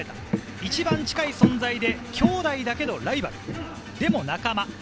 一番近い存在で、兄弟だけどライバル、でも仲間。